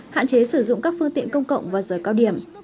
hạn chế sử dụng các phương tiện công cộng và rời cao điểm